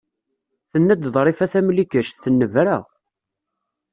Tenna-d Ḍrifa Tamlikect, tennebra.